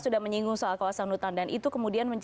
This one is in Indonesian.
sudah menyinggung soal kawasan hutan dan itu kemudian